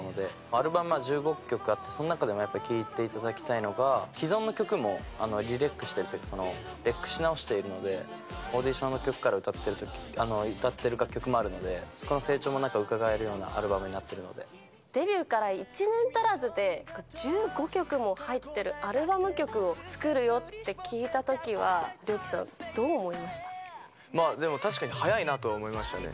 アルバム１５曲あって、その中でもやっぱり聴いていただきたいのが、既存の曲もリレックしてるというか、リレックし直しているので、オーディションのときから歌ってる楽曲もあるので、そこの成長もなんかうかがえるようなアルバムデビューから１年足らずで１５曲も入ってるアルバム曲を作るよって聞いたときは、リョウキでも確かに早いなとは思いましたね。